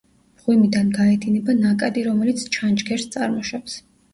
მღვიმიდან გაედინება ნაკადი, რომელიც ჩანჩქერს წარმოშობს.